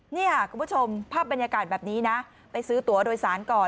นี่ค่ะคุณผู้ชมภาพบรรยากาศแบบนี้นะไปซื้อตัวโดยสารก่อน